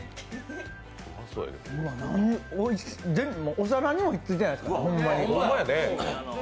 お皿にもひっついてないですからねほんまに。